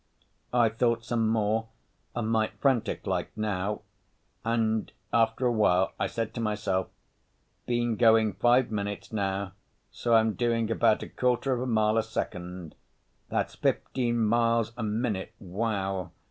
I thought some more, a mite frantic like now, and after a while I said to myself, _Been going five minutes now, so I'm doing about a quarter of a mile a second—that's fifteen miles a minute, wow!